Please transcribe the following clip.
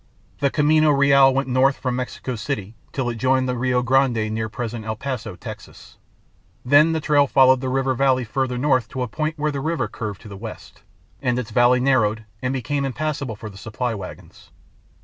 The Camino Real went north from Mexico City till it joined the Rio Grande near present day El Paso, Texas. Then the trail followed the river valley further north to a point where the river curved to the west, and its valley narrowed and became impassable for the supply wagons.